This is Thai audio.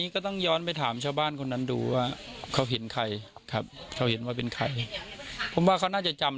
ก็น่าจะรู้ว่าเป็นใครนะคะ